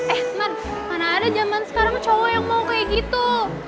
eh smart mana ada zaman sekarang cowok yang mau kayak gitu